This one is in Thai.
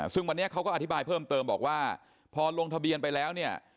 ซึ่งวันนี้เขาก็อธิบายเพิ่มเติมบอกว่าพอลงทะเบียนไปแล้วเนี่ย